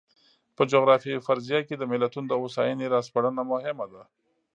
په جغرافیوي فرضیه کې د ملتونو د هوساینې را سپړنه مهمه ده.